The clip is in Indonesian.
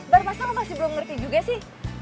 baru masa lo masih belum ngerti juga sih